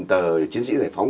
tờ chiến sĩ giải phóng